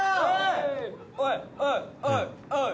「おいおいおいおい！」